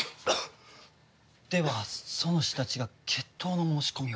ではソノシたちが決闘の申し込みを？